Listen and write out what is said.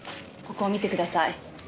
ここを見てください。